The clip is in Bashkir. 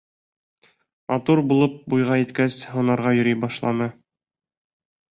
Матур булып буйға еткәс, һунарға йөрөй башланы.